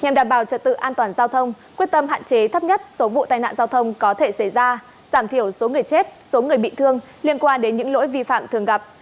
nhằm đảm bảo trật tự an toàn giao thông quyết tâm hạn chế thấp nhất số vụ tai nạn giao thông có thể xảy ra giảm thiểu số người chết số người bị thương liên quan đến những lỗi vi phạm thường gặp